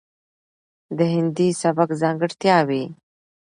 ،دهندي سبک ځانګړتياوې،